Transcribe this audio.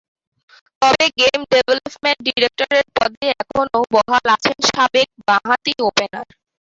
তবে game development ডিরেক্টরের পদে এখনো বহাল আছেন সাবেক বাঁহাতি ওপেনার।